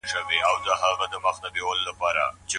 مختلف مزاجونه، موخي، هيلي او عادتونه لري.